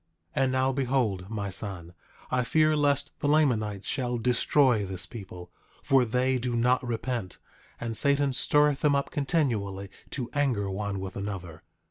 9:3 And now behold, my son, I fear lest the Lamanites shall destroy this people; for they do not repent, and Satan stirreth them up continually to anger one with another.